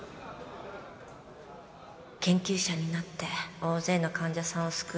研究者になって大勢の患者さんを救う